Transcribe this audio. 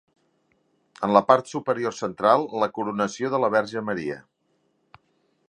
En la part superior central la Coronació de la Verge Maria.